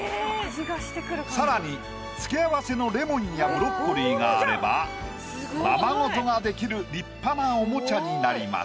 更に付け合わせのレモンやブロッコリーがあればままごとができる立派なおもちゃになります。